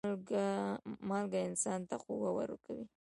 مالګه انسان ته قوه ورکوي.